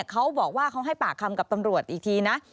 เขาบอกว่าเขาให้ปากคำกับตำรวจอีกทีนะ